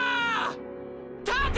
立て！